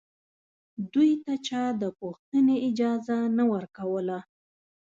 دوی ته چا د پوښتنې اجازه نه ورکوله